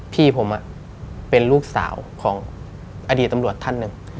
พี่ผมเป็นลูกสาวของอดีตตำรวจท่านหนึ่ง